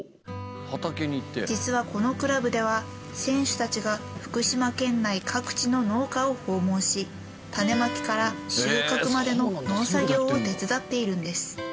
実はこのクラブでは選手たちが福島県内各地の農家を訪問し種まきから収穫までの農作業を手伝っているんです。